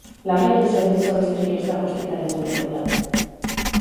Larrialdi zerbitzua besterik ez dago ospitale publikoetan.